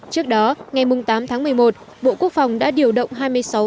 trước đó ngày tám tháng một mươi một bộ quốc phòng đã điều động hai mươi sáu